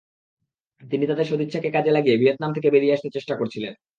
তিনি তাদের সদিচ্ছাকে কাজে লাগিয়ে ভিয়েতনাম থেকে বেরিয়ে আসতে চেষ্টা করেছিলেন।